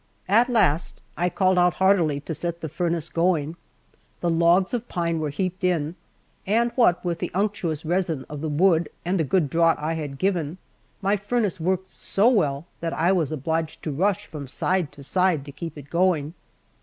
At last I called out heartily to set the furnace going. The logs of pine were heaped in, and, what with the unctuous resin of the wood and the good draught I had given, my furnace worked so well that I was obliged to rush from side to side to keep it going.